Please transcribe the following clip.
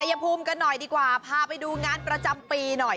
ยภูมิกันหน่อยดีกว่าพาไปดูงานประจำปีหน่อย